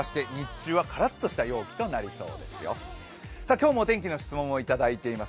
今日も天気の質問をいただいています。